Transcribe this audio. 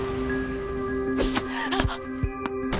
あっ！